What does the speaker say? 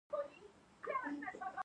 ایا ژر خفه کیږئ؟